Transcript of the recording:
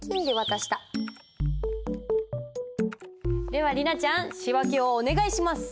では莉奈ちゃん仕訳をお願いします。